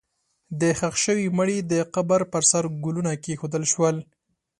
د ښخ شوي مړي د قبر پر سر ګلونه کېښودل شول.